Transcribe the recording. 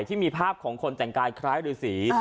ที่มีภาพของคนแต่งกายคล้ายฤษี